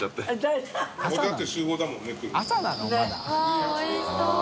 わっおいしそう。